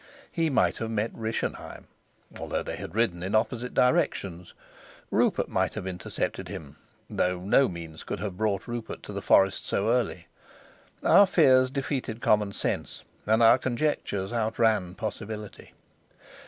He might have met Rischenheim though they had ridden in opposite directions; Rupert might have intercepted him though no means could have brought Rupert to the forest so early. Our fears defeated common sense, and our conjectures outran possibility.